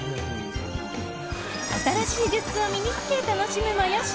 新しいグッズを身に着け楽しむもよし。